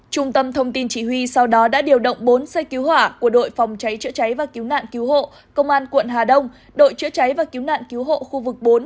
trung tâm thông tin chỉ huy sau đó đã điều động bốn xe cứu hỏa của đội phòng cháy chữa cháy và cứu nạn cứu hộ công an quận hà đông đội chữa cháy và cứu nạn cứu hộ khu vực bốn